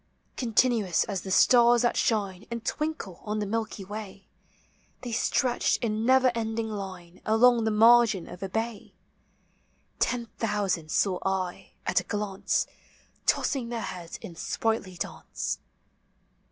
Continuous as the stars thai shine And twinkle on the Milky Way, They stretched in never ending line Along the margin of a bay: Ten thousand saw 1. a1 a glance, Tossing their heads in sprightly d;in<e.